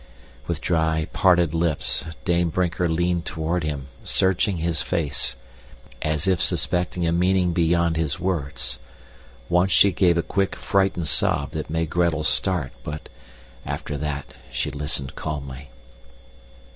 With dry, parted lips, Dame Brinker leaned toward him, searching his face, as if suspecting a meaning beyond his words. Once she gave a quick, frightened sob that made Gretel start, but, after that, she listened calmly.